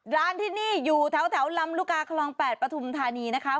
ร้านที่นี่อยู่แถวลำลูกกาคลอง๘ปฐุมธานีนะคะ